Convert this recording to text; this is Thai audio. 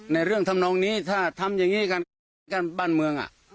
ในเรื่องทำนองนี้ถ้าทำอย่างงี้กันบ้านเมืองอ่ะ